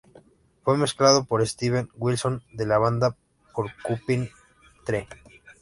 Fue mezclado por Steven Wilson de la banda Porcupine Tree.